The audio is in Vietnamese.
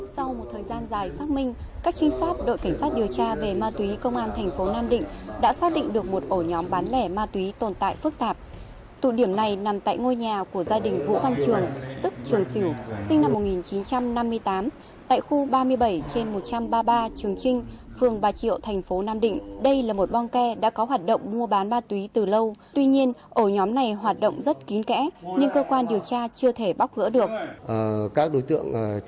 sau một thời gian dài xác minh các trinh sát đội cảnh sát điều tra về ma túy công an thành phố nam định đã xác định được một ổ nhóm bán lẻ ma túy tồn tại phức tạp tụ điểm này nằm tại ngôi nhà của gia đình vũ văn trường tức trường sửu sinh năm một nghìn chín trăm năm mươi tám tại khu ba mươi bảy trên một trăm ba mươi ba trường trinh phường bà triệu thành phố nam định đây là một bong ke đã có hoạt động mua bán ma túy từ lâu tuy nhiên ổ nhóm này hoạt động rất kín kẽ nhưng cơ quan điều tra chưa thể bóc rỡ được